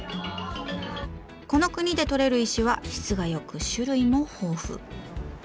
この国でとれる石は質が良く種類も豊富。